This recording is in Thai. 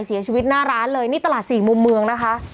เสียชีวิตหน้าร้านเลยนี่ตลาดสี่มุมเมืองนะคะ